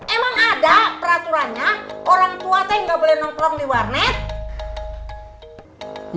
emang ada peraturannya orang tua saya nggak boleh nongkrong di warnet